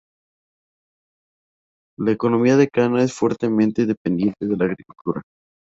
La economía de Kanna es fuertemente dependiente de la agricultura.